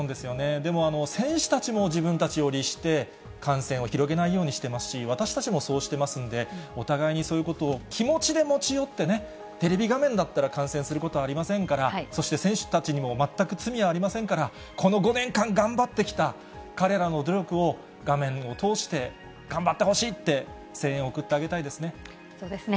でも、選手たちも自分たちを律して、感染を広げないようにしてますし、私たちもそうしてますので、お互いにそういうことを気持ちで持ち寄ってね、テレビ画面だったら感染することはありませんから、そして選手たちにも全く罪はありませんから、この５年間、頑張ってきた彼らの努力を、画面を通して頑張ってほしいって、声援を送ってあげたいですね。